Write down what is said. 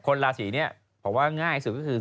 คนลาศีเนี่ยพอว่าง่ายสุดก็คือ